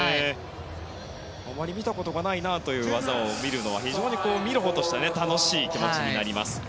あまり見たことないなという技を見るのは見るほうとしては楽しい気持ちになります。